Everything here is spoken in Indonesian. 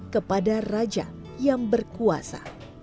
kepada raja yang berkuasa